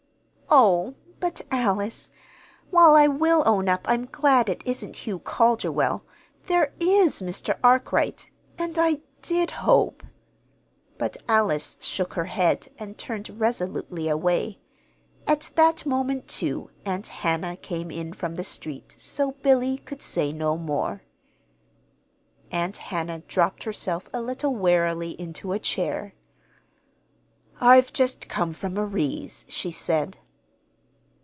"Oh, but Alice, while I will own up I'm glad it isn't Hugh Calderwell, there is Mr. Arkwright, and I did hope " But Alice shook her head and turned resolutely away. At that moment, too, Aunt Hannah came in from the street, so Billy could say no more. Aunt Hannah dropped herself a little wearily into a chair. "I've just come from Marie's," she said.